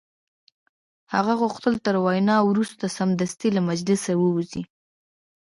هغه غوښتل تر وینا وروسته سمدستي له مجلسه ووځي